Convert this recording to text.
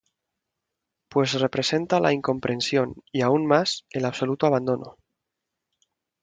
Pues representa la incomprensión, y aún más, el absoluto abandono.